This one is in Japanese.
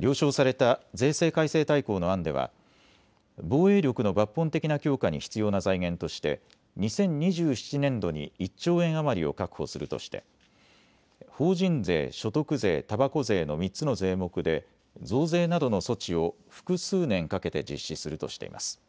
了承された税制改正大綱の案では防衛力の抜本的な強化に必要な財源として２０２７年度に１兆円余りを確保するとして法人税、所得税、たばこ税の３つの税目で増税などの措置を複数年かけて実施するとしています。